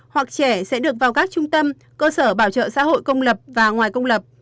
hoặc trẻ sẽ được vào các trung tâm cơ sở bảo trợ xã hội công lập và ngoài công lập